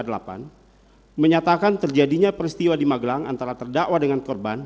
delapan menyatakan terjadinya peristiwa di magelang antara terdakwa dengan korban